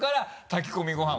炊き込みご飯。